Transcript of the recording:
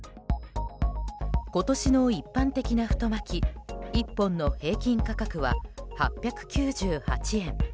今年の一般的な太巻き１本の平均価格は８９８円。